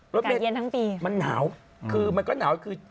เย็นทั้งปีมันหนาวคือมันก็หนาวคือ